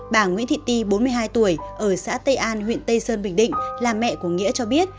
bà nguyễn thị ti bốn mươi hai tuổi ở xã tây an huyện tây sơn bình định là mẹ của nghĩa cho biết